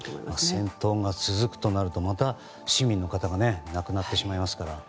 戦闘が続くとなるとまた市民の方が亡くなってしまいますから。